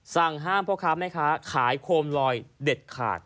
สั่งห้ามเพราะครับไหมคะขายโคมลอยเด็ดขาด